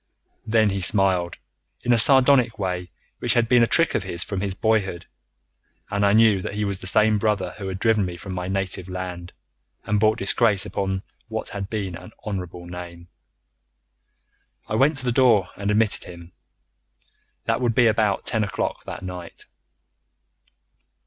Then he smiled in a sardonic way which had been a trick of his from his boyhood, and I knew that he was the same brother who had driven me from my native land, and brought disgrace upon what had been an honourable name. I went to the door and I admitted him. That would be about ten o'clock that night.